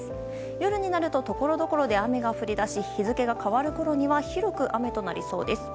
夜になるとところどころで雨が降り出し日付が変わるころには広く雨となりそうです。